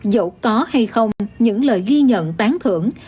dẫu có hay không những lời ghi nhận tán thưởng